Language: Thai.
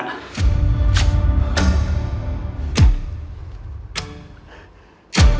อ้าว